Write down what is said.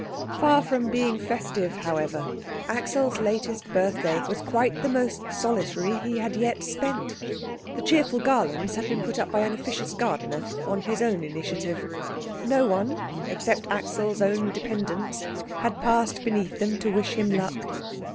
Far from being festive, however, Axel's latest birthday was quite the most solitary he had yet spent. The cheerful garlands had been put up by an officious gardener on his own initiative. No one, except Axel's own dependents, had passed beneath them to wish him luck.